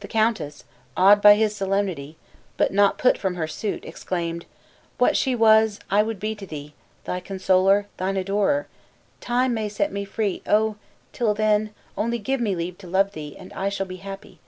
The countess, awed by his solemnity, but not put from her suit, exclaimed: "What she was, I would be to thee thy consoler, thine adorer. Time may set me free. Oh! till then, only give me leave to love thee, and I shall be happy!"